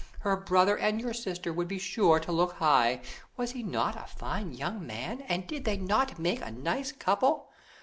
Her brother and your sister would be sure to look high. Was he not a fine young man, and did they not make a nice couple?"